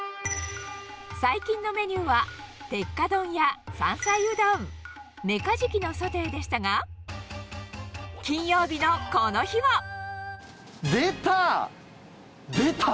最近のメニューは、鉄火丼や山菜うどん、メカジキのソテーでしたが、金曜日のこの日出た！